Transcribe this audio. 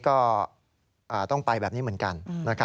ก็ต้องไปแบบนี้เหมือนกัน